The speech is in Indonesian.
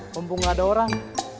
mumpung gak ada orang